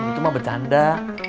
itu mah bercanda